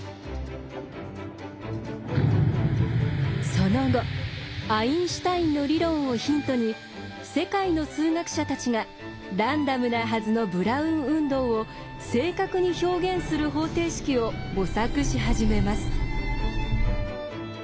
その後アインシュタインの理論をヒントに世界の数学者たちがランダムなはずのブラウン運動を正確に表現する方程式を模索し始めます。